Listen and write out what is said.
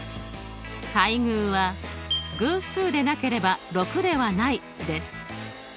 対偶は「偶数でなければ６ではない」です。